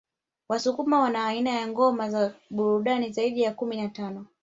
Wasukuma wana aina ya ngoma za burudani zaidi ya kumi na tano